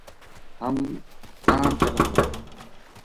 ہم تاں چلاں گا‘‘